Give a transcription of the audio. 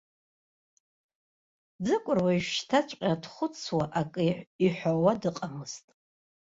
Ӡыкәыр уажәшьҭаҵәҟьа дхәыцуа, акы иҳәауа дыҟамызт.